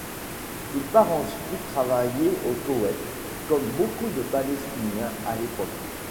Il part ensuite travailler au Koweït, comme beaucoup de Palestiniens à l'époque.